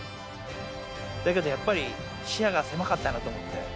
だけどやっぱり、視野が狭かったなと思って。